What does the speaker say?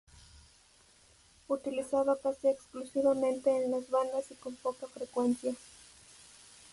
Utilizado casi exclusivamente en las bandas y con poca frecuencia.